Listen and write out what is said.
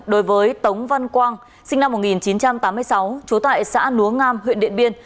đối với tống văn quang sinh năm một nghìn chín trăm tám mươi sáu trú tại xã núa ngam huyện điện biên